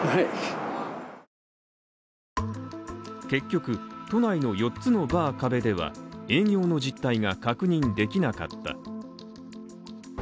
結局、都内の４つのバー「壁」では営業の実態が確認できなかった。